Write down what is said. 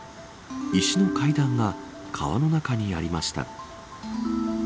石の階段が川の中にありました。